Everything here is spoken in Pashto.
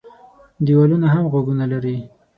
دېوالونه هم غوږونه لري.